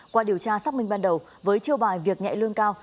qua điều tra xác minh ban đầu với chiều bài việc nhạy lương cao